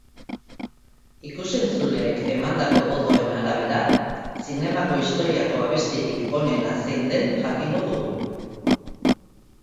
Ikus-entzuleek emandako botoen arabera, zinemako historiako abestirik onena zein den jakingo dugu.